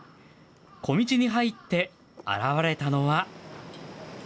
小道に入って現れたのは。